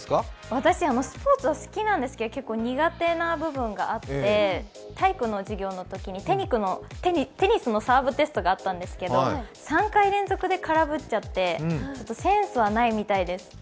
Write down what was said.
私、スポーツは好きなんですけど、結構な苦手な部分があって、体育の授業のときにテニスのサーブテストがあったんですけど３回連続で空振っちゃってセンスはないみたいです。